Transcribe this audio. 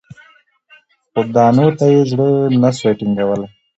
خو دانو ته یې زړه نه سو ټینګولای